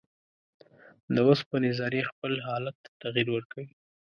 د اوسپنې ذرې خپل حالت ته تغیر ورکوي.